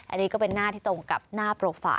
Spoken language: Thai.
อันนี้ก็เป็นหน้าที่ตรงกับหน้าโปรไฟ